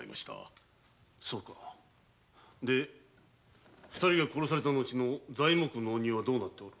ほうで二人が殺された後の材木の納入はどうなっておる？